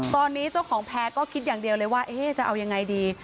ตอนนี้เจ้าของแพ้ก็คิดอย่างเดียวเลยว่าจะเอายังไงดี